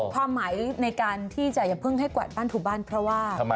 ความหมายในการที่จะอย่าเพิ่งให้กวาดบ้านถูบ้านเพราะว่า